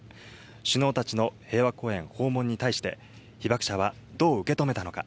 首脳たちの平和公園訪問に対して、被爆者はどう受け止めたのか。